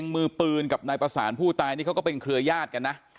มือปืนกับนายประสานผู้ตายนี่เขาก็เป็นเครือญาติกันนะ